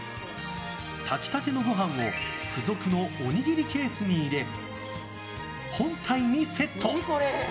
炊きたてのご飯を付属のおにぎりケースに入れ本体にセット。